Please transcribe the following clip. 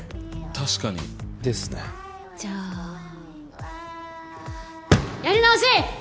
確かに。ですね。じゃあやり直し！